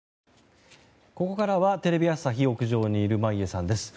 ここからはテレビ朝日屋上にいる眞家さんです。